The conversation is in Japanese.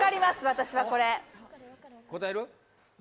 私はこれ答える？